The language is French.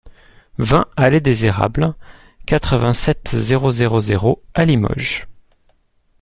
vingt alléE des Erables, quatre-vingt-sept, zéro zéro zéro à Limoges